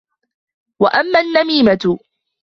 وَأَمَّا النَّمِيمَةُ